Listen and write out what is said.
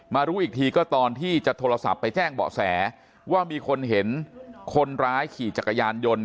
รู้อีกทีก็ตอนที่จะโทรศัพท์ไปแจ้งเบาะแสว่ามีคนเห็นคนร้ายขี่จักรยานยนต์